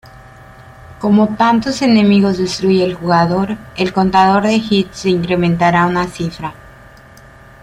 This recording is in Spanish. Cómo tantos enemigos destruya el jugador, el contador de hits se incrementará una cifra.